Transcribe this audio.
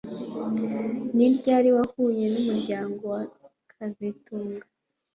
Ni ryari wahuye numuryango wa kazitunga